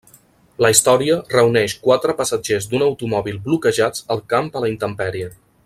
La història reuneix quatre passatgers d'un automòbil bloquejats al camp a la intempèrie.